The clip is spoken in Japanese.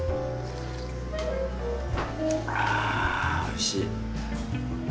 あおいしい。